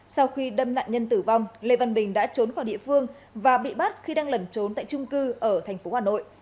sau khi đâm nạn nhân tử vong lê văn bình đã trốn khỏi địa phương và bị bắt khi đang lẩn trốn tại trung cư ở thành phố hà nội